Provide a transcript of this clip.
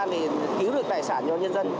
để cứu được tài sản cho nhân dân